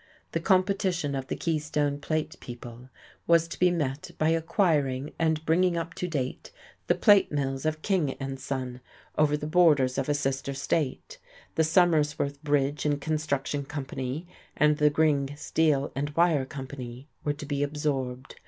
The competition of the Keystone Plate people was to be met by acquiring and bringing up to date the plate mills of King and Son, over the borders of a sister state; the Somersworth Bridge and Construction Company and the Gring Steel and Wire Company were to be absorbed.